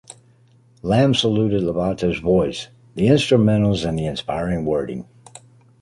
Lamb saluted Levato’s voice, the instrumentals and the inspiring wording.